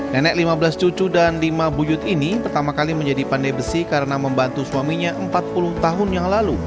nenek lima belas cucu dan lima buyut ini pertama kali menjadi pandai besi karena membantu suaminya empat puluh tahun yang lalu